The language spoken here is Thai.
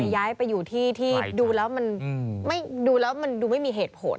ย้ายไปอยู่ที่ที่ดูแล้วมันไม่มีเหตุผล